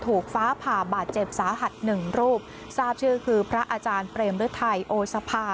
ฟ้าผ่าบาดเจ็บสาหัสหนึ่งรูปทราบชื่อคือพระอาจารย์เปรมฤทัยโอสภา